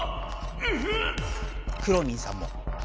くろミンさんも。